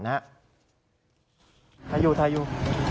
ถ่ายอยู่ถ่ายอยู่